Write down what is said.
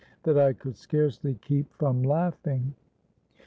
that I could scarcely keep from laughing.